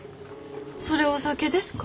それお酒ですか？